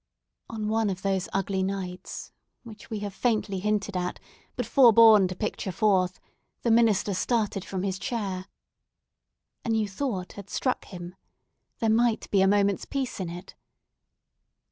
On one of those ugly nights, which we have faintly hinted at, but forborne to picture forth, the minister started from his chair. A new thought had struck him. There might be a moment's peace in it.